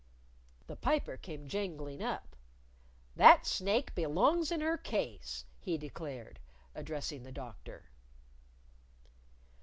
The Piper came jangling up. "That snake belongs in her case," he declared, addressing the Doctor.